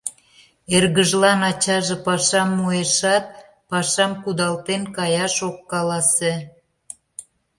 Эргыжлан ачаже пашам муэшат, пашам кудалтен каяш ок каласе.